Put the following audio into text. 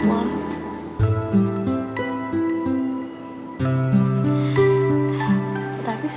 bahwa gue mau itu tuhadd